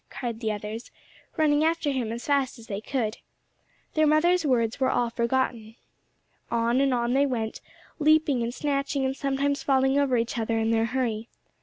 cried the others, running after him as fast as they could. Their mother's words were all forgotten. On and on they went, leaping and snatching, and sometimes falling over each other in their hurry.